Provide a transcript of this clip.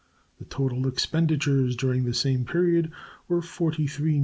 The total expenditures during the same period were $43,002,168.90.